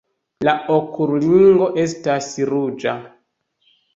La okulringo estas ruĝa.